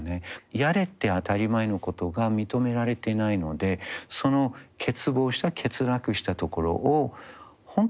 やれて当たり前のことが認められてないのでその欠乏した欠落したところを本当は回復することなんですよね。